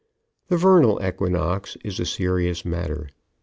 The vernal equinox is a serious matter.